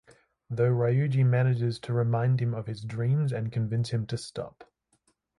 Though Ryuji manages to remind him of his dreams and convince him to stop.